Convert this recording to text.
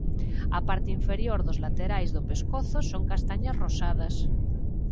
A parte inferior dos laterais do pescozo son castañas rosadas.